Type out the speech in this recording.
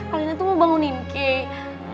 alina tuh mau bangunin kek